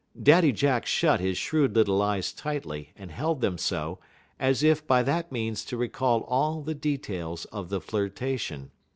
Daddy Jack shut his shrewd little eyes tightly and held them so, as if by that means to recall all the details of the flirtation.